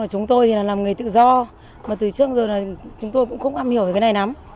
chúng tôi là làm người tự do mà từ trước đến giờ chúng tôi cũng không âm hiểu cái này lắm